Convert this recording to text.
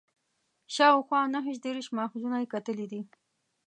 شاوخوا نهه دېرش ماخذونه یې کتلي دي.